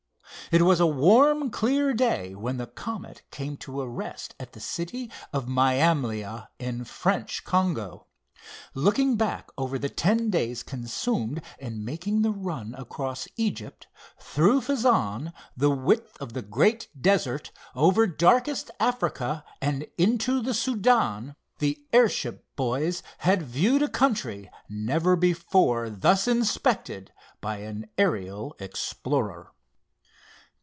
It was a warm, clear day when the Comet came to a rest at the city of Mayamlia, in French Congo. Looking back over the ten days consumed in making the run across Egypt, through Fezzan, the width of the great desert, over darkest Africa, and into the Soudan, the airship boys had viewed a country never before thus inspected by an aerial explorer.